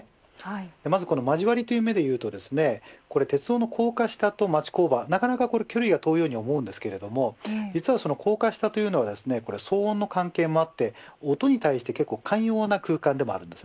まずこの交わりという目で見ると鉄道の高架下と町工場、なかなか距離が遠いように思いますが実は高架下は騒音の関係もあって音に対して寛容な空間でもあります。